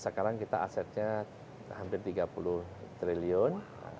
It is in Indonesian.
sekarang kita asetnya hampir tiga puluh triliun